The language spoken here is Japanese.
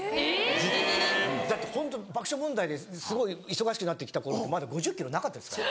だってホント爆笑問題ですごい忙しくなってきた頃ってまだ５０ｋｇなかったですから。